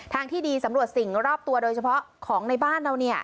ที่ดีสำรวจสิ่งรอบตัวโดยเฉพาะของในบ้านเรา